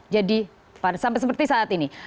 jadi sampai seperti saat ini